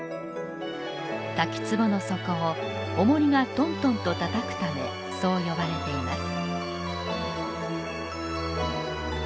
滝壺の底をおもりがトントンと叩くため、そう呼ばれています。